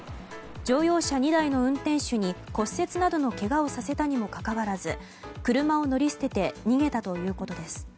乗用車２台の運転手に骨折などのけがをさせたにもかかわらず車を乗り捨てて逃げたということです。